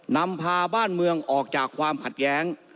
นำพาบ้านเมืองออกจากความขัดแย้ง